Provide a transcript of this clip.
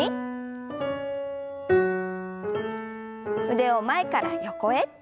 腕を前から横へ。